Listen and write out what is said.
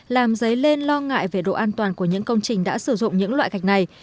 làm dấy lên lo ngại về độ an toàn của những công trình đã sử dụng những loại gạch này